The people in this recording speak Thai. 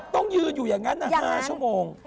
ต้องยืนอย่างนั้น๕ช่วง